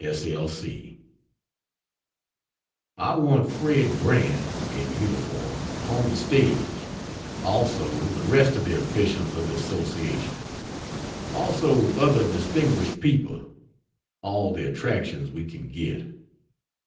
S. L. C. I want Fred Grant (in uniform) on the stage; also the rest of the officials of the Association; also other distinguished people all the attractions we can get.